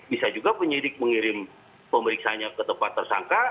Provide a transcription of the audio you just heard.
bisa juga penyidik mengirim pemeriksanya ke tempat tersangka